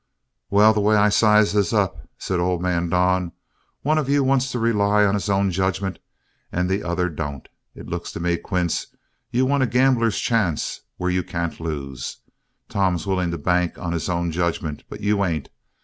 "Well, the way I size this up," said old man Don, "one of you wants to rely on his own judgment and the other don't. It looks to me, Quince, you want a gambler's chance where you can't lose. Tom's willing to bank on his own judgment, but you ain't.